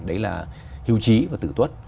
đấy là hưu trí và tử tuất